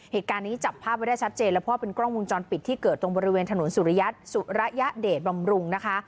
เหตุการณ์นี้จับภาพไว้ได้ชัดเจนแล้วเพราะเป็นกล้องวงจรปิดที่เกิดตรงบริเวณถนนสุริยัติสุระยะเดชบำรุงนะคะ